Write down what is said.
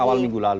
awal minggu lalu